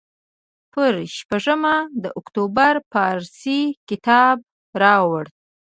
پر شپږمه د اکتوبر پارسي کتاب راوړ.